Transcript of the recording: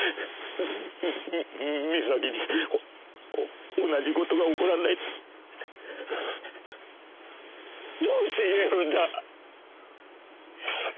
み美咲に同じ事が起こらないってどうして言えるんだ！？